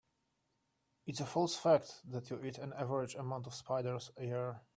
It's a false fact that you eat an average amount of spiders a year.